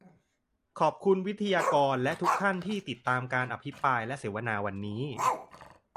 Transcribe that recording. ขอบคุณวิทยากรและทุกท่านที่ติดตามการอภิปรายและเสวนาวันนี้